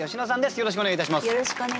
よろしくお願いします。